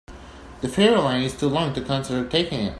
The ferry line is too long to consider taking it.